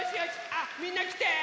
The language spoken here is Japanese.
あっみんなきて！